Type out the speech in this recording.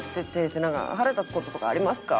で「腹立つ事とかありますか？」